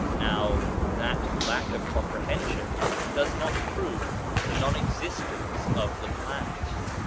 Now, that lack of comprehension does not prove the non existence of the plant